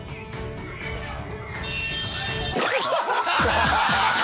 ハハハハ！